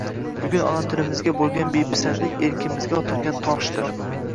Bugun ona tilimizga boʻlgan bepisandlik erkimizga otilgan toshdir.